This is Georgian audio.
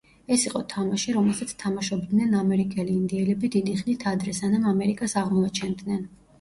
ეს იყო თამაში, რომელსაც თამაშობდნენ ამერიკელი ინდიელები დიდი ხნით ადრე, სანამ ამერიკას აღმოაჩენდნენ.